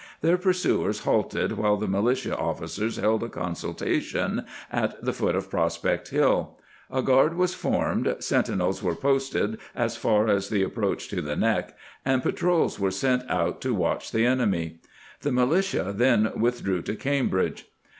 Their pursuers halted while the militia officers held a consultation at the foot of Prospect Hill ; a guard was formed, sentinels were posted as far as the approach to the Neck, and patrols were sent out to watch the enemy. The militia then withdrew to Cambridge.